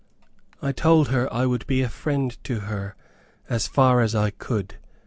I told her I would be a friend to her as far as I could.